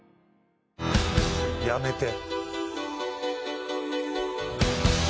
「やめて」